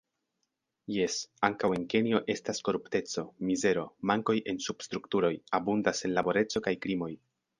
Jes, ankaŭ en Kenjo estas korupteco, mizero, mankoj en substrukturoj, abundas senlaboreco kaj krimoj.